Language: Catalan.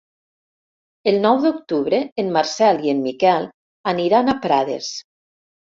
El nou d'octubre en Marcel i en Miquel aniran a Prades.